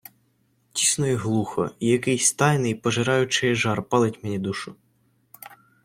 Тісно й глухо, і якийсь тайний, пожираючий жар палить мені душу.